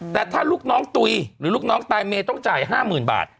แต่ถ้าลูกน้องตุ๋ยหรือลูกน้องตายเมย์ต้องจ่าย๕๐๐๐บาท